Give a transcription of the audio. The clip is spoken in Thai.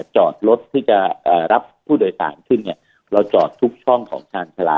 จอดรถที่จะรับผู้โดยสารขึ้นเนี่ยเราจอดทุกช่องของชาญชาลา